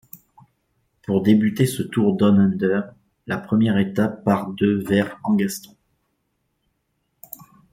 Pour débuter ce Tour Down Under, la première étape part de vers Angaston.